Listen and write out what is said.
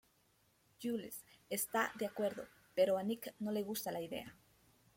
Jules está de acuerdo, pero a Nic no le gusta la idea.